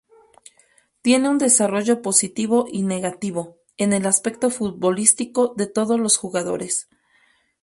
Tiene un desarrollo positivo y negativo, en el aspecto futbolístico, de todos los jugadores.